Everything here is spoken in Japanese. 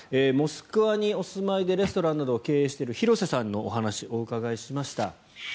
モスクワにお住まいでレストランなどを経営している廣瀬さんにお話をお伺いしました。